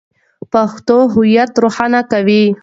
پښتو هویت روښانه کوي.